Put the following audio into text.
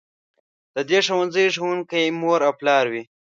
د دې ښوونځي ښوونکي مور او پلار وي.